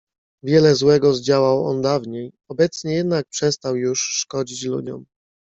"Wiele złego zdziałał on dawniej, obecnie jednak przestał już szkodzić ludziom."